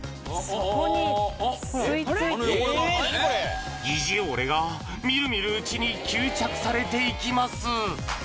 そこに吸いついていく疑似汚れがみるみるうちに吸着されていきます